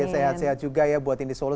sehat sehat juga ya buat indi solo